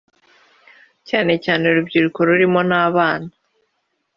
cyane cyane urubyiruko rurimo n’abana